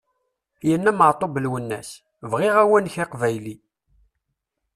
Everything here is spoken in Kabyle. Yenna Meɛtub Lwennas: "bɣiɣ awanek aqbayli!"